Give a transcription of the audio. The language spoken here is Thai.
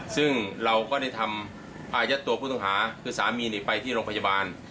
ซึ่งเราก็ได้ทำพายัดตัวผู้ต้องหาคือสามีไปที่โรงพยาบาล